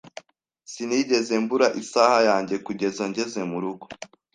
Sinigeze mbura isaha yanjye kugeza ngeze murugo